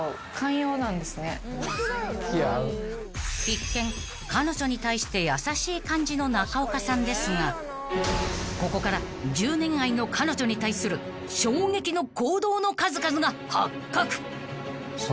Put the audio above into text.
［一見彼女に対して優しい感じの中岡さんですがここから１０年愛の彼女に対する衝撃の行動の数々が発覚］